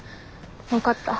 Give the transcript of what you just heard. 分かった。